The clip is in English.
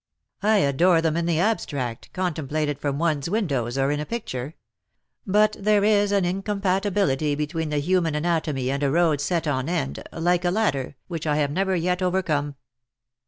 ''" I adore them in the abstract, contemplated from one's windows, or in a picture; but there is an incompatibility between the human anatomy and a road set on end, like a ladder, which I have never yet overcome.